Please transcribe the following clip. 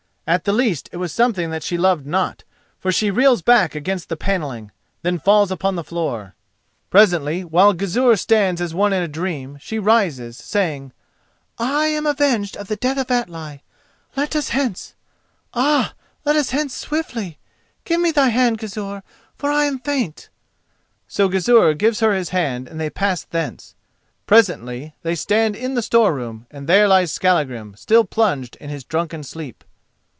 At the least it was something that she loved not, for she reels back against the panelling, then falls upon the floor. Presently, while Gizur stands as one in a dream, she rises, saying: "I am avenged of the death of Atli. Let us hence!—ah! let us hence swiftly! Give me thy hand, Gizur, for I am faint!" So Gizur gives her his hand and they pass thence. Presently they stand in the store room, and there lies Skallagrim, still plunged in his drunken sleep.